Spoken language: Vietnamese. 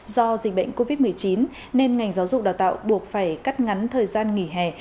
do dịch bệnh covid một mươi chín nên ngành giáo dục đào tạo buộc phải cắt ngắn thời gian nghỉ hè